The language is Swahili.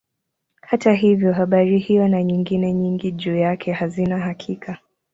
Hata hivyo habari hiyo na nyingine nyingi juu yake hazina hakika.